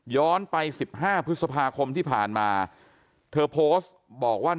ไป๑๕พฤษภาคมที่ผ่านมาเธอโพสต์บอกว่า